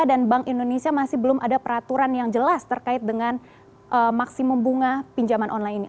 dan bank indonesia masih belum ada peraturan yang jelas terkait dengan maksimum bunga pinjaman online